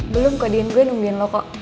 belum kok diin gue nungguin lo kok